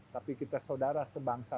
tapi kita saudara sebangsa